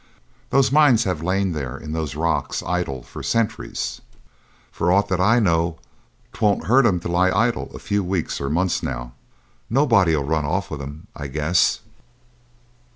Those mines have lain there in those rocks idle for centuries, for aught that I know; 'twon't hurt 'em to lie idle a few weeks or months now; nobody'll run off with 'em, I guess."